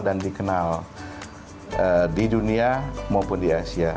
dan dikenal di dunia maupun di asia